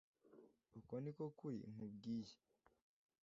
uko ni ko kuri nkubwiye